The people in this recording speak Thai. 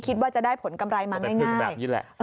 คิดว่าจะได้ผลกำไรมาง่าย